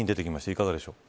いかがでしょうか。